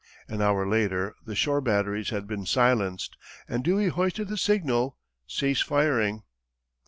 An hour later, the shore batteries had been silenced, and Dewey hoisted the signal, "Cease firing."